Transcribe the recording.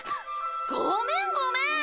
ごめんごめん！